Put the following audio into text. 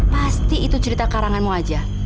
pasti itu cerita karanganmu aja